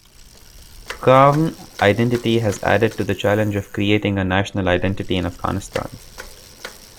Qawm identity has added to the challenge of creating a national identity in Afghanistan.